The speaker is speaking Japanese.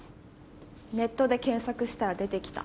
ネットで検索したら出てきた。